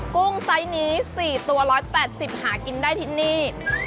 กุ้งไซส์นี้๔ตัว๑๘๐หากินได้ที่นี่